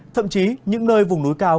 thậm chí những nơi vùng núi cao